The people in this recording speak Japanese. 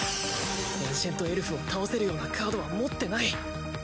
エンシェントエルフを倒せるようなカードは持ってない